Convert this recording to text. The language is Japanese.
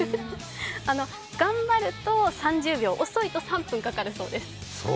頑張ると３０秒、遅いと３分かかるそうです。